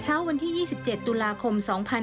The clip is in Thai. เช้าวันที่๒๗ตุลาคม๒๕๖๐